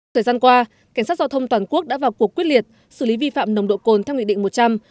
thời gian qua cảnh sát giao thông toàn quốc đã vào cuộc quyết liệt xử lý vi phạm nồng độ cồn theo nghị định một trăm linh